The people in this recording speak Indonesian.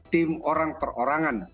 tim orang per orangan